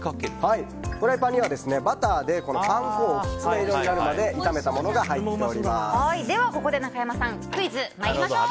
フライパンにはバターでパン粉をキツネ色になるまでここでクイズに参りましょう。